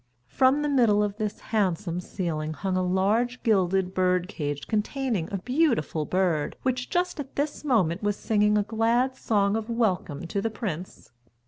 From the middle of this handsome ceiling hung a large gilded bird cage containing a beautiful bird, which just at this moment was singing a glad song of welcome to the prince.